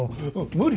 無理。